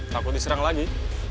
takut diserang lagi